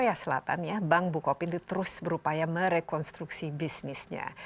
di korea selatan bank bukopin terus berupaya merekonstruksi bisnisnya